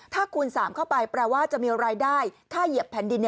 ถ้าคูณ๓เข้าไปแปลว่าจะมีรายได้ค่าเหยียบแผ่นดิน